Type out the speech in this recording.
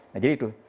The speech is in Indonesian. nah jadi itu